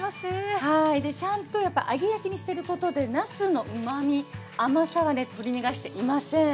ちゃんとやっぱ揚げ焼きにしてることでなすのうまみ甘さはね取り逃がしていません。